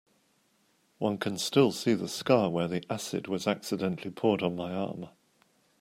One can still see the scar where the acid was accidentally poured on my arm.